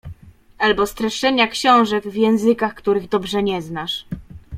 albo streszczenia książek w językach, których dobrze nie znasz.